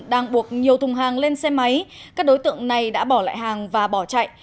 đang buộc nhiều thùng hàng lên xe máy các đối tượng này đã bỏ lại hàng và bỏ chạy